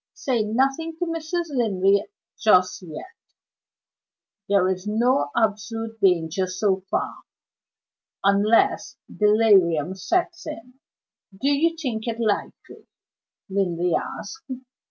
"Say nothing to Mrs. Linley just yet. There is no absolute danger so far, unless delirium sets in." "Do you think it likely?" Linley asked.